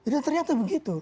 dan ternyata begitu